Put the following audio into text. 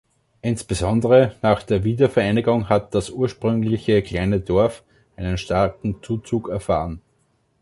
Insbesondere nach der Wiedervereinigung hat das ursprüngliche kleine Dorf einen starken Zuzug erfahren.